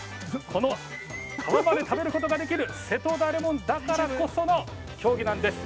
この皮まで食べることができる瀬戸田レモンだからこその競技なんです。